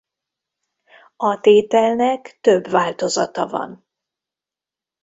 A tételnek több változata van.